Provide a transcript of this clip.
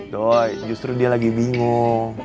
doh justru dia lagi bingung